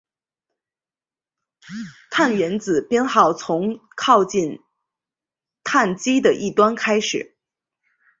碳原子编号从靠近羰基的一端开始。